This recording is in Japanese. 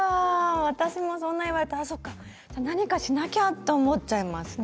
私もそんなふうに言われたら何かしなきゃって思っちゃいますね。